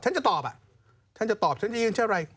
ฉันจะตอบฉันจะยืนเช่นไร